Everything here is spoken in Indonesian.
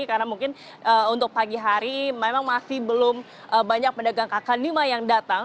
karena mungkin untuk pagi hari memang masih belum banyak pedagang kaki lima yang datang